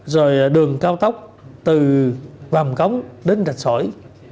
rồi đường cao tốc từ vàm cống đến rạch sỏi